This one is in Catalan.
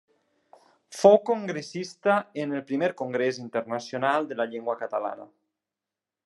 Fou congressista en el Primer Congrés Internacional de la Llengua Catalana.